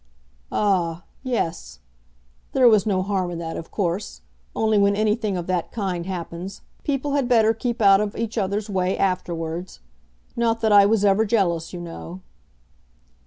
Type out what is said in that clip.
"Ah! Yes. There was no harm in that, of course; only when any thing of that kind happens, people had better keep out of each other's way afterwards. Not that I was ever jealous, you know."